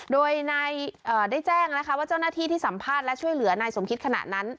โดยได้แจ้งนะคะว่าเจ้าหน้าที่ที่สัมภาษณ์และช่วยเหลือนายสมคิดขณะนั้น